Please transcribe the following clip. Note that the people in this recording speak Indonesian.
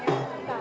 tum tum tum